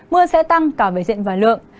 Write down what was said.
mưa sẽ tăng cả về diện và lượng